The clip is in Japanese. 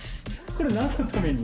これなんのために？